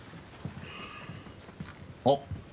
あっ！